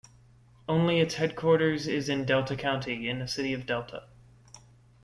Only its headquarters is in Delta County, in the city of Delta.